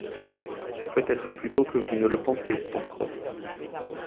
Peut-être plus tôt que vous ne le pensez, Pencroff